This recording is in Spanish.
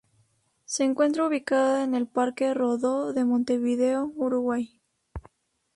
Se encuentra ubicado en el Parque Rodó de Montevideo, Uruguay.